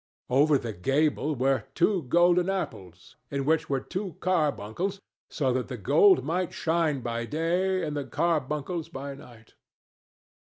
Over the gable were "two golden apples, in which were two carbuncles," so that the gold might shine by day and the carbuncles by night.